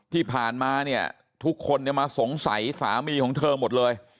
ที่ผ่านมาเนี่ยทุกคนมาสงสัยสามีของเธอหมดเลย